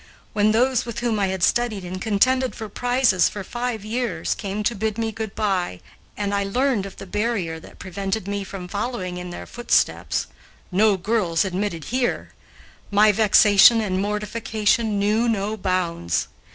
When those with whom I had studied and contended for prizes for five years came to bid me good by, and I learned of the barrier that prevented me from following in their footsteps "no girls admitted here" my vexation and mortification knew no bounds.